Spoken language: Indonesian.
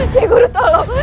ya guru tolong